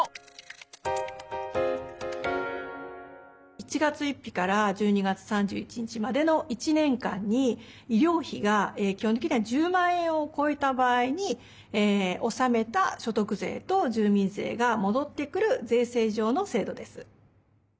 １月１日から１２月３１日までの１年間に医療費が基本的には１０万円を超えた場合に納めた所得税と住民税が戻ってくる税制上の制度です。